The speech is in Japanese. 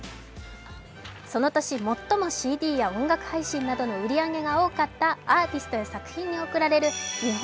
その年最もＣＤや音楽配信などの売上が多かったアーティストや作品に贈られる日本